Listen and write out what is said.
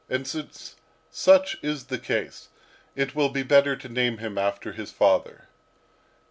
And since such is the case, it will be better to name him after his father.